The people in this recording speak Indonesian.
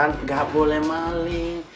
nggak boleh maling